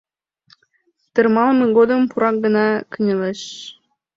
Тырмалыме годым пурак гына кынелеш.